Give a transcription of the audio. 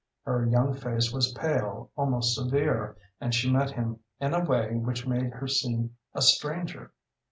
Her young face was pale, almost severe, and she met him in a way which made her seem a stranger.